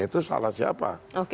itu salah siapa